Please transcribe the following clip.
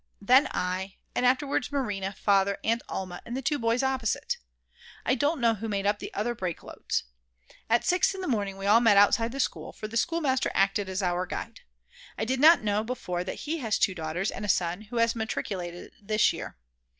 then I, and afterwards Marina, Father, Aunt Alma, and the two boys opposite. I don't know who made up the other break loads. At 6 in the morning we all met outside the school, for the schoolmaster acted as our guide. I did not know before that he has two daughters and a son who has matriculated this year.